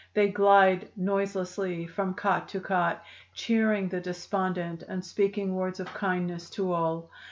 They glide noiselessly from cot to cot cheering the despondent and speaking words of kindness to all.